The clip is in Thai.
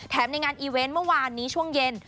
ในงานอีเวนต์เมื่อวานนี้ช่วงเย็น